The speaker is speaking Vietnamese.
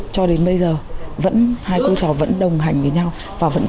cho đến bây giờ hai cú trò vẫn đồng hành với nhau và vẫn kết hợp